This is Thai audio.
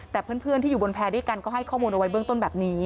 แต่เพื่อนที่อยู่บนแพรด้วยกันก็ให้ข้อมูลเอาไว้เบื้องต้นแบบนี้